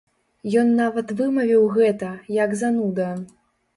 Ён нават вымавіў гэта, як зануда!